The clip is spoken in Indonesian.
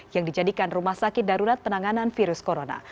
yang dijadikan rumah sakit darurat penanganan virus corona